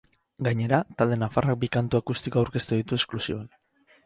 Gainera, talde nafarrak bi kantu akustiko aurkeztu ditu esklusiban.